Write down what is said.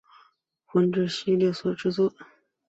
魂之系列所制作。